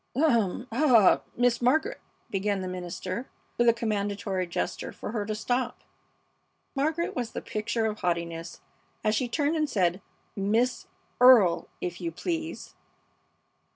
"Um! Ah! Miss Margaret!" began the minister, with a commandatory gesture for her to stop. Margaret was the picture of haughtiness as she turned and said, "Miss Earle, if you please!"